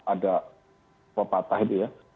ada pepatah itu ya